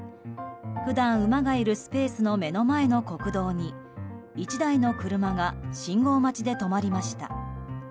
普段、馬がいるスペースの目の前の国道に１台の車が信号待ちで止まりました。